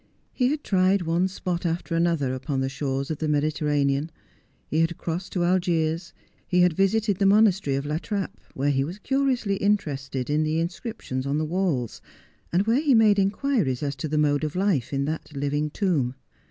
He had tried one spot after another upon the shores of the Mediterranean ; he had crossed to Algiers ; he had visited the monastery of La Trappe, where he was curiously interested in the inscriptions on the walls, and where he made inquiries as to the mode of life in that lining tomb.